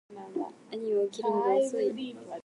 兄は起きるのが遅い